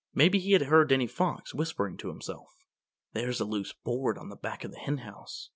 Maybe he had heard Danny Fox whispering to himself. "There's a loose board on the back of the Henhouse.